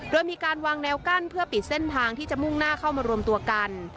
โดยมีการวางแนวกั้นเพื่อปิดเส้นทางที่จะมุ่งหน้าเข้ามารวมตัวกัน